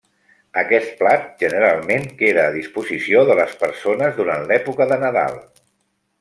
Aquest plat generalment queda a disposició de les persones durant l'època de Nadal.